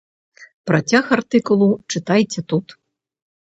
Працяг артыкулу чытайце тут.